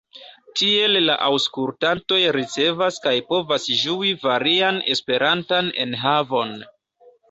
Tiel la aŭskultantoj ricevas kaj povas ĝui varian Esperantan enhavon.